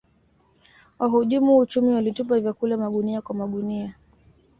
wahujumu uchumi walitupa vyakula magunia kwa magunia